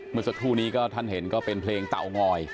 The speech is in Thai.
เมื่อสักครู่นี้ก็ท่านเห็นก็เป็นเพลงเตางอย